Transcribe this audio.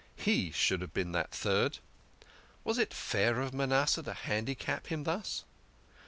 He should have been that third. Was it fair of Manasseh to handicap him thus?